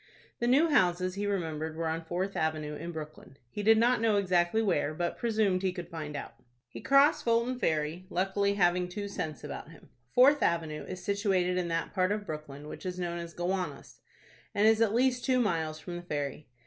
The new houses he remembered were on Fourth Avenue, in Brooklyn. He did not know exactly where, but presumed he could find out. He crossed Fulton Ferry, luckily having two cents about him. Fourth Avenue is situated in that part of Brooklyn which is known as Gowanus, and is at least two miles from the ferry.